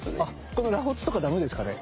この螺髪とかダメですかね？